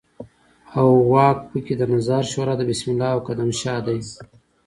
او واک په کې د نظار شورا د بسم الله او قدم شاه دی.